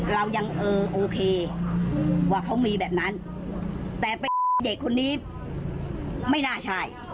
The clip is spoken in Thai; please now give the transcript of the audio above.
เรายังเออโอเคว่าเขามีแบบนั้นแต่เป็นเด็กคนนี้ไม่น่าใช่